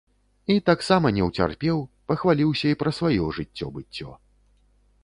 І таксама не ўцерпеў, пахваліўся і пра сваё жыццё-быццё.